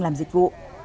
làm dịch vụ